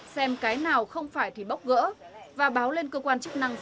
xem cái nào không phải thì bóc gỡ và báo lên cơ quan chức năng sớm nhất